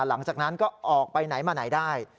หลังจากนั้นก็ออกไปไหนมาไหนได้